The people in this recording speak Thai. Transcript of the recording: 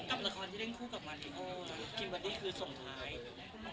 กับละครที่เล่นคู่กับวันนี้คือส่งท้ายหรือเปล่า